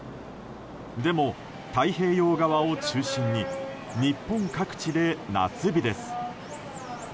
でも、太平洋側を中心に日本各地で夏日です。